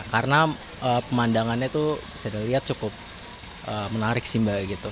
karena pemandangannya tuh saya lihat cukup menarik sih mbak gitu